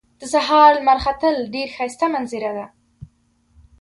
د سهار لمر ختل ډېر ښایسته منظره ده